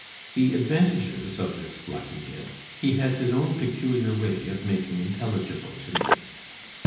The advantages of this lucky hit he had his own peculiar way of making intelligible to me.